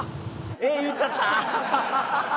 えっ、言っちゃった。